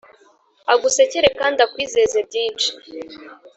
agusekere kandi akwizeze byinshi,